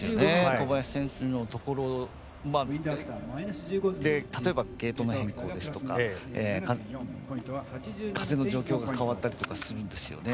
小林選手のところで例えばゲートの変更ですとか風の状況が変わったりとかするんですよね。